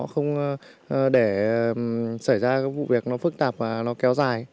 không để xảy ra các vụ việc nó phức tạp và nó kéo dài